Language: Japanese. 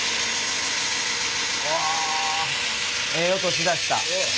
うわええ音しだした。